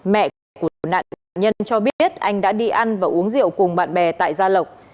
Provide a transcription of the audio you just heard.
mẹ của nạn nhân cho biết anh đã đi ăn và uống rượu cùng bạn bè tại gia lộc